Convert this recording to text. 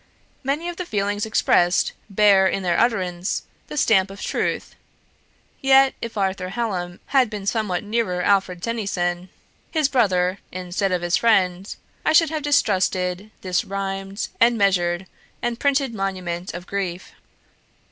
Many of the feelings expressed bear, in their utterance, the stamp of truth; yet, if Arthur Hallam had been somewhat nearer Alfred Tennyson, his brother instead of his friend, I should have distrusted this rhymed, and measured, and printed monument of grief.